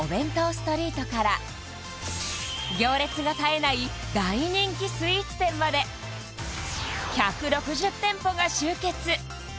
ストリートから行列が絶えない大人気スイーツ店までが集結